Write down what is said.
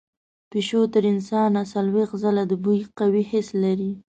پیشو تر انسان څلوېښت ځله د بوی قوي حس لري.